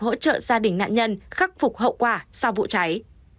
hỗ trợ gia đình nạn nhân khắc phục hậu quả sau vụ cháy